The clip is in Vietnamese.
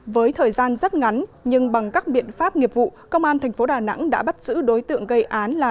với thời gian rất ngắn nhưng bằng các biện pháp nghiệp vụ công an thành phố đà nẵng đã bắt giữ đối tượng gây án là